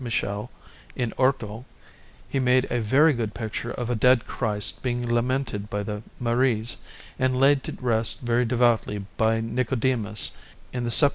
Michele in Orto he made a very good picture of a Dead Christ being lamented by the Maries and laid to rest very devoutly by Nicodemus in the Sepulchre.